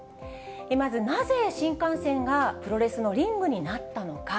まずなぜ、新幹線がプロレスのリングになったのか。